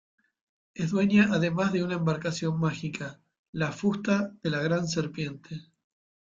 Es dueña además de una embarcación mágica, la Fusta de la Gran Serpiente.